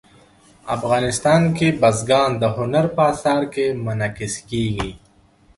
افغانستان کې بزګان د هنر په اثار کې منعکس کېږي.